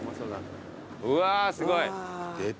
うわすごい。出た。